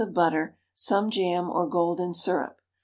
of butter; some jam or golden syrup.